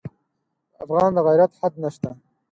د افغان د غیرت حد نه شته.